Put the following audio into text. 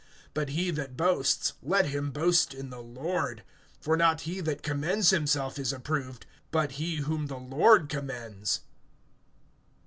(17)But he that boasts, let him boast in the Lord. (18)For not he that commends himself is approved, but he whom the Lord commends.